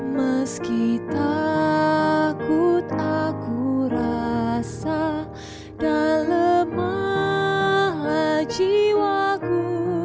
meski takut aku rasa dan lemah jiwaku